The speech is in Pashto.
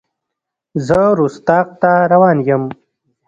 زه رُستاق ته روان یم.